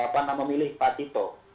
pada memilih pak tito